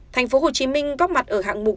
tp hcm góp mặt ở hạng mục